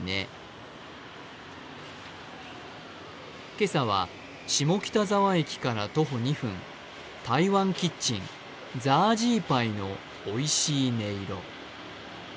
今朝は下北沢駅から徒歩２分、台湾キッチン、ザージーパイのおいしい音色。